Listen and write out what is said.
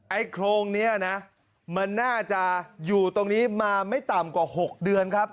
โครงนี้นะมันน่าจะอยู่ตรงนี้มาไม่ต่ำกว่า๖เดือนครับ